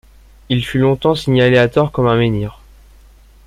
Il fut longtemps signalé à tort comme un menhir.